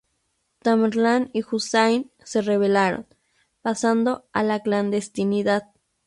Tamerlán y Husayn se rebelaron, pasando a la clandestinidad.